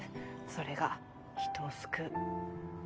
それが人を救う。